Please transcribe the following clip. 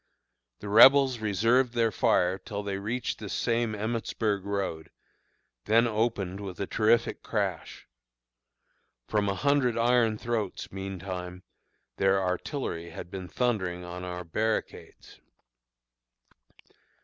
The Rebels reserved their fire till they reached this same Emmitsburg road, then opened with a terrific crash. From a hundred iron throats, meantime, their artillery had been thundering on our barricades.